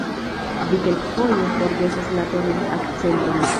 Vi kelkafoje forgesas la tonan akcenton.